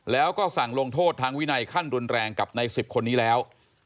แล้วก็สั่งลงโทษทางวินัยขั้นรุนแรงกับใน๑๐คนนี้แล้ว